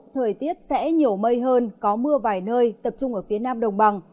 thời tiết sẽ nhiều mây hơn có mưa vài nơi tập trung ở phía nam đồng bằng